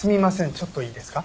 ちょっといいですか？